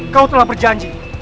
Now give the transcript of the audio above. kau telah berjanji